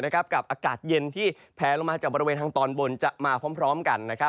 กับอากาศเย็นที่แผลลงมาจากบริเวณทางตอนบนจะมาพร้อมกัน